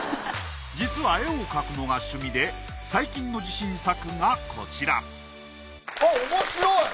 実は絵を描くのが趣味で最近の自信作がこちらおもしろい！